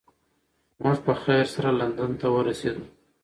موږ په خیر سره لندن ته ورسیدو.